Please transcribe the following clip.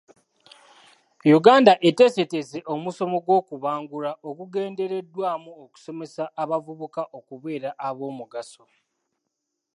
Uganda eteeseteese omusomo gw'okubangulwa ogugendereddwamu okusomesa abavubuka okubeera ab'omugaso.